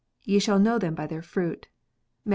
Ye shall know them by their fruit." (Matt.